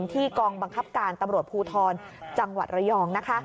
ที่กองบังคับการตำรวจภูทรจังหวัดระยองนะคะ